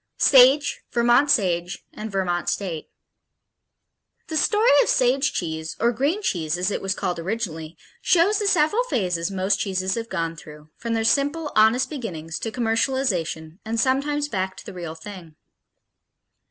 Sage, Vermont Sage and Vermont State The story of Sage cheese, or green cheese as it was called originally, shows the several phases most cheeses have gone through, from their simple, honest beginnings to commercialization, and sometimes back to the real thing.